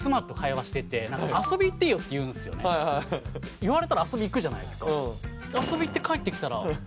言われたら遊び行くじゃないですか。